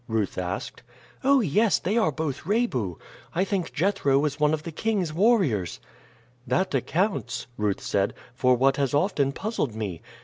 Ruth asked. "Oh, yes! they are both Rebu. I think Jethro was one of the king's warriors." "That accounts," Ruth said, "for what has often puzzled me.